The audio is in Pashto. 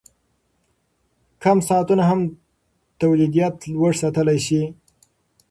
کم ساعتونه هم تولیدیت لوړ ساتلی شي.